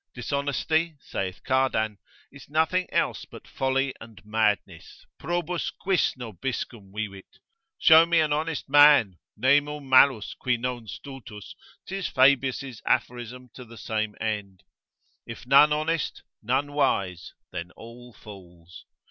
Dishonesty (saith Cardan) is nothing else but folly and madness. Probus quis nobiscum vivit? Show me an honest man, Nemo malus qui non stultus, 'tis Fabius' aphorism to the same end. If none honest, none wise, then all fools.